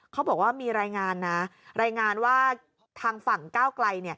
เขาบอกว่ามีรายงานนะรายงานว่าทางฝั่งก้าวไกล